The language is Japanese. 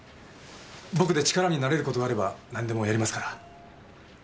僕で力になれる事があればなんでもやりますから。